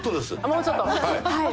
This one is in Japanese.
もうちょっとはい。